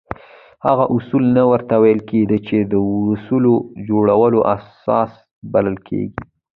هغه اصول نه ورته ویل کېده چې د وسلو جوړولو اساس بلل کېږي.